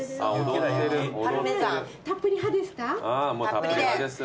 たっぷり派です。